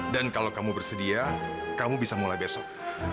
dan kalau kamu bersedia kamu bisa mulai besok